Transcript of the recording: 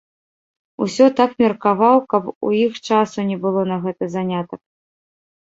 Усё так меркаваў, каб у іх часу не было на гэты занятак.